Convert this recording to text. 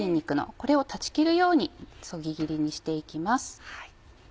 これを断ち切るようにそぎ切りにして行きます。